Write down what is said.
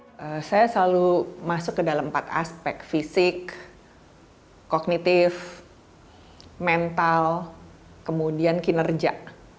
ya saya selalu masuk ke dalam empat aspek fisik kognitif mental kemudian kinerja